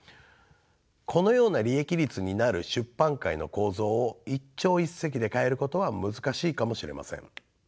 このような利益率になる出版界の構造を一朝一夕で変えることは難しいかもしれません。